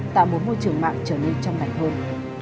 tạo mối môi trường mạng trở nên trong đại thôn